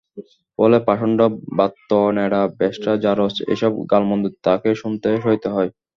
ফলে পাষণ্ড, ব্রাত্য, ন্যাড়া, বেশরা, জারজ—এসব গালমন্দ তাঁকে শুনতে, সইতে হয়।